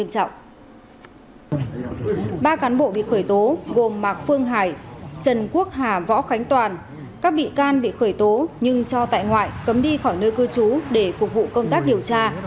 ba cán bộ bị khởi tố gồm mạc phương hải trần quốc hà võ khánh toàn các bị can bị khởi tố nhưng cho tại ngoại cấm đi khỏi nơi cư trú để phục vụ công tác điều tra